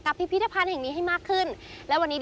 กับพิพิธภัณฑ์แห่งนี้ให้มากขึ้น